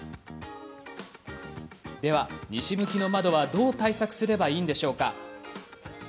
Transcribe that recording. では西向きの窓はどう対策すればいいんでしょうか。